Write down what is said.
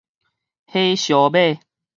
火燒馬